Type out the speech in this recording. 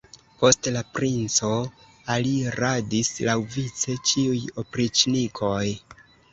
Post la princo aliradis laŭvice ĉiuj opriĉnikoj.